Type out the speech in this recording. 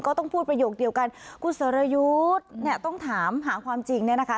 ก็ต้องพูดประโยคเดียวกันคุณสรยุทธ์เนี่ยต้องถามหาความจริงเนี่ยนะคะ